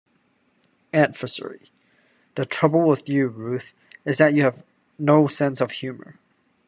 Adversary: The trouble with you, Ruth, is that you have no sense of humor.